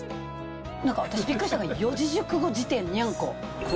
なんか私、びっくりしたのは、四字熟語辞典にゃんこ。